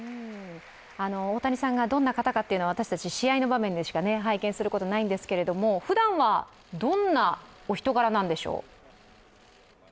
大谷さんがどんな方かというのは、私たち、試合の場面でしか拝見することはないんですけど、ふだんはどんなお人柄なんでしょう。